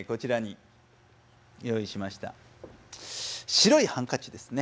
白いハンカチですね。